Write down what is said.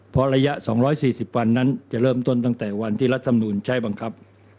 เพราะระยะ๒๔๐วันนั้นจะเริ่มต้นตั้งแต่วันที่รัฐมนุนใช้บังคับ